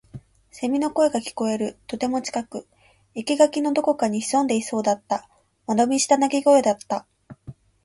蝉の声が聞こえる。とても近く。生垣のどこかに潜んでいそうだった。間延びした鳴き声だった。